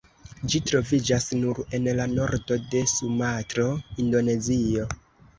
Ĝi troviĝas nur en la nordo de Sumatro, Indonezio.